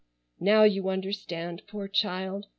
Now you understand, poor child.